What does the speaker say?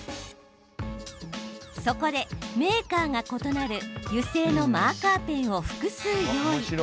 そこで、メーカーが異なる油性のマーカーペンを複数用意。